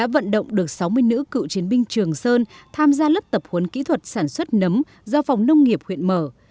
vận động được sáu mươi nữ cựu chiến binh trường sơn tham gia lớp tập huấn kỹ thuật sản xuất nấm do phòng nông nghiệp huyện mở